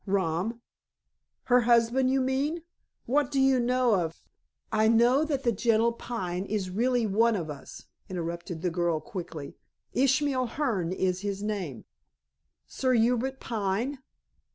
"Rom? Her husband, you mean. What do you know of " "I know that the Gentle Pine is really one of us," interrupted the girl quickly. "Ishmael Hearne is his name." "Sir Hubert Pine?"